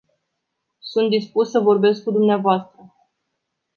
Sunt dispus să vorbesc cu dvs.